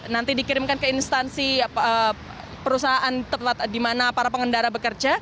nanti dikirimkan ke instansi perusahaan dimana para pengendara bekas